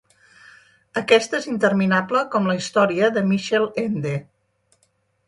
Aquesta és interminable, com la història de Michael Ende.